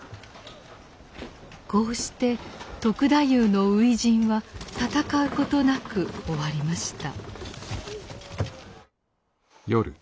こうして篤太夫の初陣は戦うことなく終わりました。